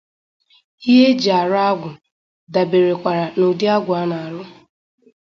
Ihe e ji arụ agwụ dàbèrèkwàrà n'ụdị agwụ a na-arụ